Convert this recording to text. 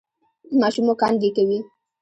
ماشوم مو کانګې کوي؟